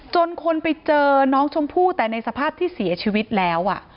คนไปเจอน้องชมพู่แต่ในสภาพที่เสียชีวิตแล้ว